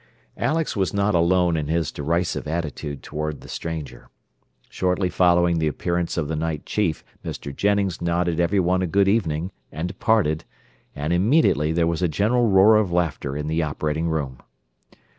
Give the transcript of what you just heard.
Alex was not alone in his derisive attitude toward the stranger. Shortly following the appearance of the night chief Mr. Jennings nodded everyone a good evening, and departed, and immediately there was a general roar of laughter in the operating room.